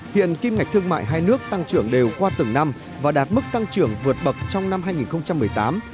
hiện kim ngạch thương mại hai nước tăng trưởng đều qua từng năm và đạt mức tăng trưởng vượt bậc trong năm hai nghìn một mươi tám